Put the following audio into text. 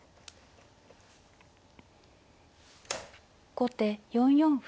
後手４四歩。